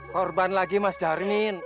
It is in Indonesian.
korban lagi mas dharmin